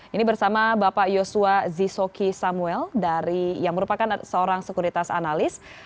ini bersama bapak yosua zisoki samuel yang merupakan seorang sekuritas analis